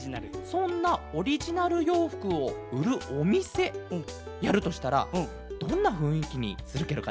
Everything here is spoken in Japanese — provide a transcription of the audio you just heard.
そんなオリジナルようふくをうるおみせやるとしたらどんなふんいきにするケロかね？